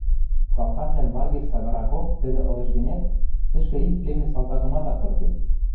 Салтаквлӓн лагерь сагаракок тӹдӹ ылеш гӹнят, тӹшкӹ ик пленный салтакымат ак пыртеп.